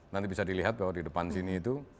nanti bisa dilihat bahwa di depan sini itu